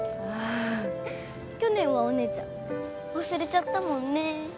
去年はお姉ちゃん忘れちゃったもんね。